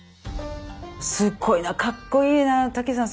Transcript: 「すごいなかっこいいなたけしさん